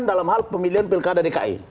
dalam hal pemilihan pilkada dki